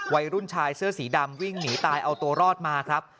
วัยรุ่นชายเสื้อสีดำวิ่งหนีตายเอาตัวรอดมาครับ